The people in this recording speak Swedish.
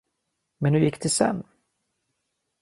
Men hur gick det sen?